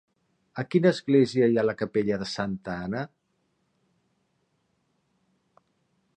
A quina església hi ha la capella de Santa Anna?